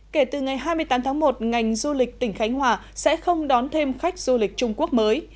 kể từ ngày hai mươi tám tháng một ngành du lịch tỉnh khánh hòa sẽ không đón thêm khách du lịch trung quốc mới